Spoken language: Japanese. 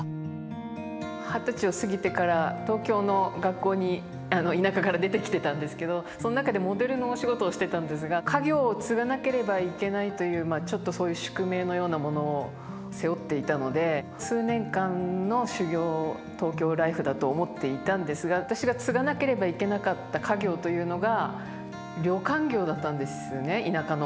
二十歳を過ぎてから東京の学校に田舎から出てきてたんですけどそん中でモデルのお仕事をしてたんですが家業を継がなければいけないというちょっとそういう宿命のようなものを背負っていたので数年間の修業東京ライフだと思っていたんですが私が継がなければいけなかった家業というのが旅館業だったんですね田舎の。